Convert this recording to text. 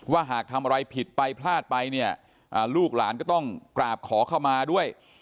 หากทำอะไรผิดไปพลาดไปเนี่ยลูกหลานก็ต้องกราบขอเข้ามาด้วย